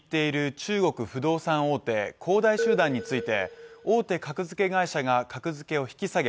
中国不動産大手、恒大集団について大手格付け会社が格付けを引き下げ